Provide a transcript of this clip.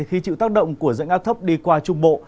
khi chịu tác động của dạnh áp thấp đi qua trung bộ